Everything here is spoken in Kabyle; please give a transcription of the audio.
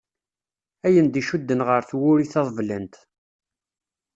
Ayen d-icudden γer twuri taḍeblant.